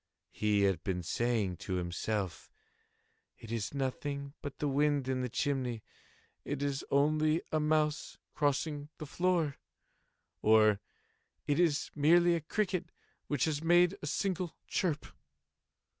He had been saying to himself—"It is nothing but the wind in the chimney—it is only a mouse crossing the floor," or "It is merely a cricket which has made a single chirp."